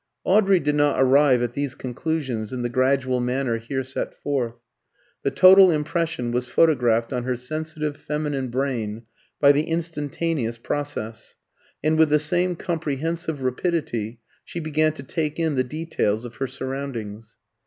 Audrey did not arrive at these conclusions in the gradual manner here set forth. The total impression was photographed on her sensitive feminine brain by the instantaneous process; and with the same comprehensive rapidity she began to take in the details of her surroundings.